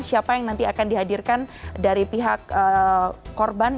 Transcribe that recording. siapa yang nanti akan dihadirkan dari pihak korban